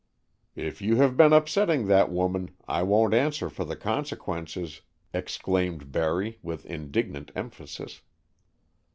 "If you have been upsetting that woman, I won't answer for the consequences," exclaimed Barry, with indignant emphasis.